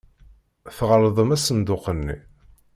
Tɣeldem asenduq-nni.